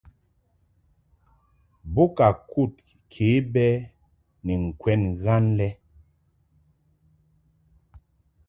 Bo ka kud ke bɛ ni ŋkwɛn ghan lɛ.